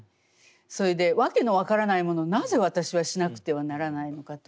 それで訳の分からないものをなぜ私はしなくてはならないのかということですね。